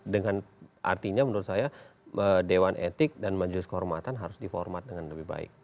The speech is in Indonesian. dengan artinya menurut saya dewan etik dan majelis kehormatan harus diformat dengan lebih baik